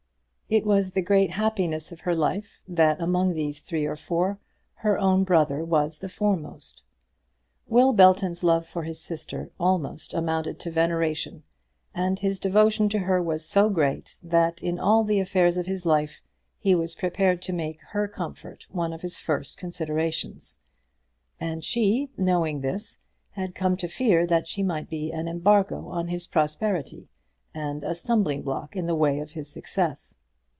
It was the great happiness of her life that among those three or four her own brother was the foremost. Will Belton's love for his sister amounted almost to veneration, and his devotion to her was so great, that in all the affairs of his life he was prepared to make her comfort one of his first considerations. And she, knowing this, had come to fear that she might be an embargo on his prosperity, and a stumbling block in the way of his success.